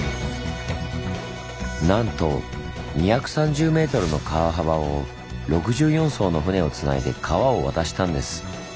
なんと２３０ｍの川幅を６４艘の船をつないで川を渡したんです。